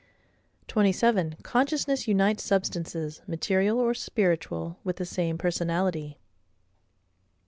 27. Consciousness unites substances, material or spiritual, with the same personality.